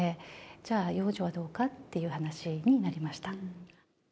じゃあ養女はどうかという話になりました。